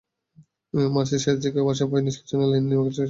মার্চের শেষ দিকে ওয়াসার পয়োনিষ্কাশন লাইনের নির্মাণকাজ শেষ করার কথা ছিল।